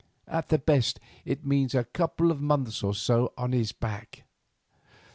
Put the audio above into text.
At the best it means a couple of months or so on his back.